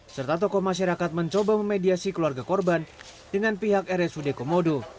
serta tokoh masyarakat mencoba memediasi keluarga korban dengan pihak rsud komodo